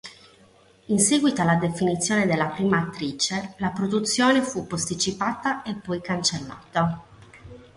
In seguito alla defezione della prima attrice la produzione fu posticipata e poi cancellata.